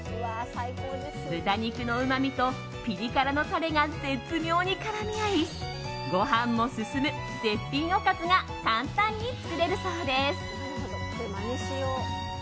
豚肉のうまみとピリ辛のタレが絶妙に絡み合いご飯も進む絶品おかずが簡単に作れるそうです。